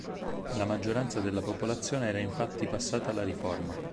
La maggioranza della popolazione era infatti passata alla Riforma.